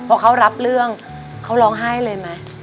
พอเขารับเรื่องเขาร้องไห้เลยไหม